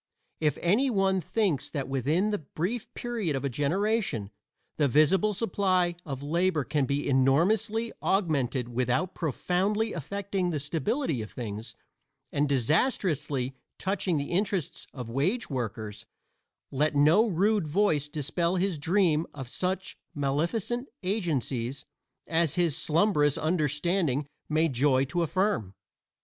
If any one thinks that within the brief period of a generation the visible supply of labor can be enormously augmented without profoundly affecting the stability of things and disastrously touching the interests of wage workers let no rude voice dispel his dream of such maleficent agencies as his slumbrous understanding may joy to affirm.